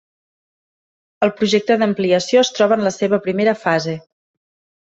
El projecte d'ampliació es troba en la seva primera fase.